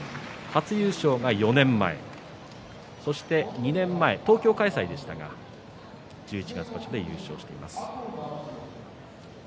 初優勝が４年前そして２年前、東京開催でしたが十一月場所で優勝しています。